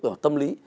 về mặt tâm lý